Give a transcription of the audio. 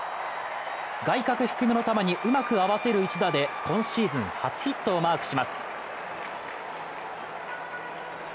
外角低めの球にうまく合わせる一打で今シーズン初ヒットをマークします。